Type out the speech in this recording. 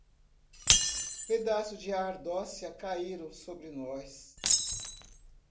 Pedaços de ardósia caíram sobre nós.